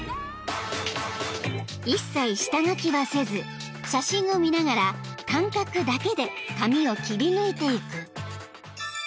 ［一切下書きはせず写真を見ながら感覚だけで紙を切り抜いてゆく］